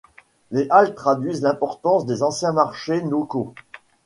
Les halles traduisent l'importance des anciens marchés locaux.